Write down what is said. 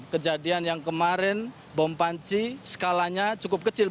kejadian yang kemarin bom panci skalanya cukup kecil